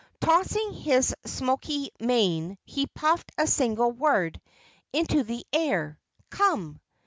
Tossing his smoky mane, he puffed a single word into the air. "Come!"